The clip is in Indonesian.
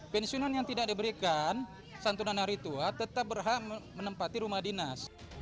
pensiunan yang tidak diberikan santunan hari tua tetap berhak menempati rumah dinas